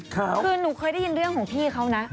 คือหนูเคยได้ยินเรื่องของพี่เขานะ